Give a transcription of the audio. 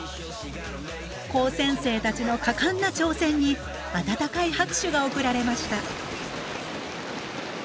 高専生たちの果敢な挑戦に温かい拍手が送られました。